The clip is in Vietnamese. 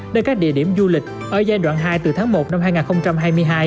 đến các địa điểm du lịch ở giai đoạn hai từ tháng một năm hai nghìn hai mươi hai